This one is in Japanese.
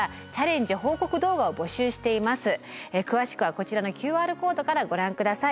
詳しくはこちらのＱＲコードからご覧下さい。